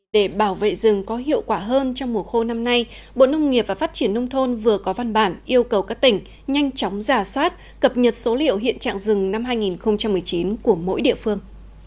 để bảo vệ rừng có hiệu quả hơn trong mùa khô năm nay bộ nông nghiệp và phát triển nông thôn vừa có văn bản yêu cầu các tỉnh nhanh chóng giả soát cập nhật số liệu hiện trạng rừng năm hai nghìn một mươi chín của mỗi địa phương